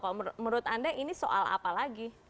kalau menurut anda ini soal apa lagi